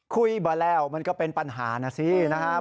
คุยมาแล้วมันก็เป็นปัญหานะสินะครับ